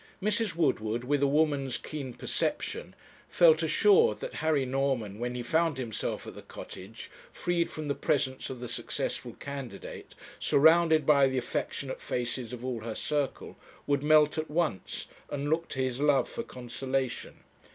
Mrs. Woodward, with a woman's keen perception, felt assured that Harry Norman, when he found himself at the Cottage, freed from the presence of the successful candidate, surrounded by the affectionate faces of all her circle, would melt at once and look to his love for consolation.